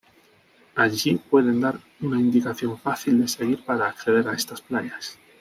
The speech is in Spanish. Allí pueden dar una indicación fácil de seguir para acceder a estas playas.